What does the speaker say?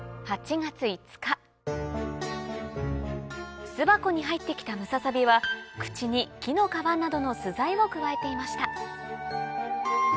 月５日巣箱に入って来たムササビは口に木の皮などの巣材をくわえていました